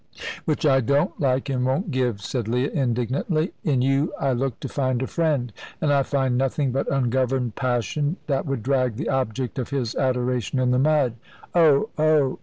"Which I don't like, and won't give," said Leah, indignantly. "In you I looked to find a friend, and I find nothing but ungoverned passion, that would drag the object of his adoration in the mud. Oh! oh!"